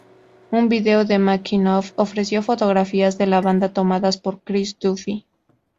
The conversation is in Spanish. Un vídeo de "making of" ofreció fotografías de la banda tomadas por Chris Duffy.